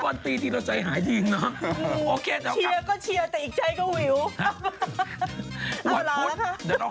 วันนี้พรุ่งนี้เราของงดหนึ่งวัน